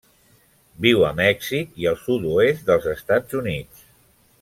Viu a Mèxic i el sud-oest dels Estats Units.